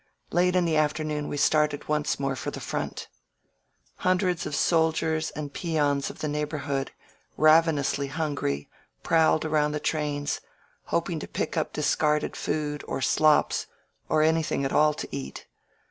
Late in the afternoon we started once more for the front. Hundreds of soldiers and peons of the neighborhood, ravenously hungry, prowled around the trains, hoping to pick up discarded food, or slops, or anything at all to eat.